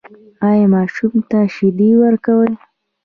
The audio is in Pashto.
ایا ماشوم ته شیدې ورکوئ؟